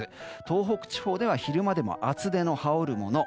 東北地方では昼間でも厚手の羽織るもの。